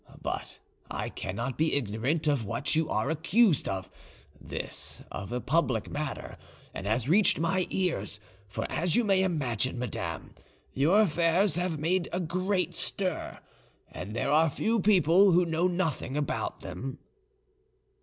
But I cannot be ignorant of what you are accused of: this is a public matter, and has reached my ears; for, as you may imagine, madame, your affairs have made a great stir, and there are few people who know nothing about them."